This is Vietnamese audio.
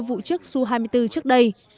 vụ chức su hai mươi bốn trước đây